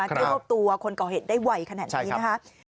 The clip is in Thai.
ได้พบตัวคนก่อเหตุได้ไหวขนาดนี้นะครับ